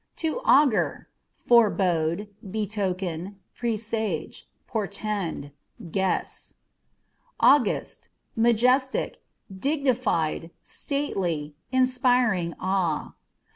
To Augur â€" forebode, betoken, presage, portend ; guess. August â€" majestic, dignified, stately, inspiring awe.